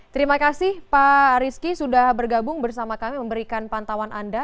terima kasih pak rizky sudah bergabung bersama kami memberikan pantauan anda